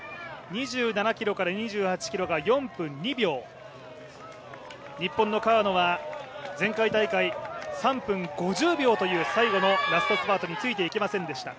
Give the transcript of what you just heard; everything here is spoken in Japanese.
２７ｋｍから２８ｋｍが４分２秒日本の川野は前回大会３分５０秒という最後のラストスパートについていけませんでした。